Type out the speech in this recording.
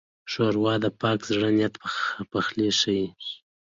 ښوروا د پاک زړه نیت پخلی ښيي.